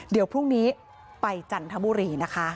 เดี๋ยวพรุ่งนี้ไปจันทบุรีนะคะ